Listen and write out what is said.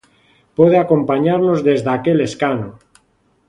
Pode acompañarnos desde aquel escano.